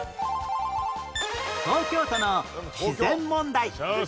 東京都の自然問題